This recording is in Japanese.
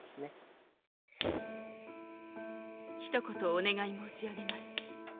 「一言お願い申し上げます。